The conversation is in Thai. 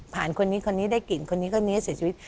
คนนี้คนนี้ได้กลิ่นคนนี้คนนี้เสียชีวิต